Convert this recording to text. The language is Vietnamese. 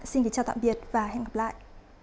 xin kính chào tạm biệt và hẹn gặp lại